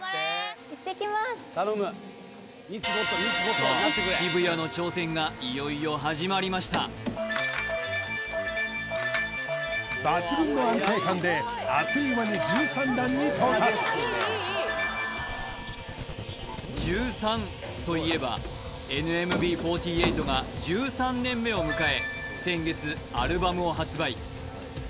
さあ渋谷の挑戦がいよいよ始まりました抜群の安定感であっという間に１３段に到達１３といえばＮＭＢ４８が１３年目を迎え先月アルバムを発売